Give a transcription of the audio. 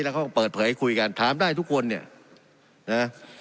แล้วเขาก็เปิดเผยคุยกันถามได้ทุกคนเนี่ยนะ